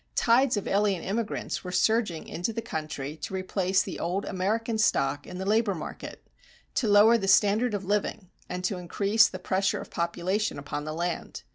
Tides of alien immigrants were surging into the country to replace the old American stock in the labor market, to lower the standard of living and to increase the pressure of population upon the land.